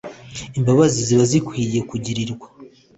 imbabazi zaba zikwiye kugirirwa